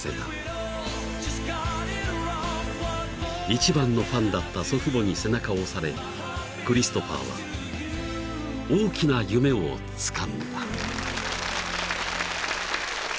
［一番のファンだった祖父母に背中を押されクリストファーは大きな夢をつかんだ］